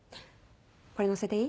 これ載せていい？